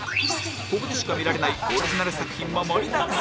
ここでしか見られないオリジナル作品も盛りだくさん